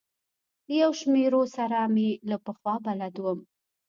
له یو شمېرو سره مې له پخوا بلد وم.